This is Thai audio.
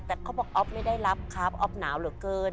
แต่เขาบอกอ๊อฟไม่ได้รับครับอ๊อฟหนาวเหลือเกิน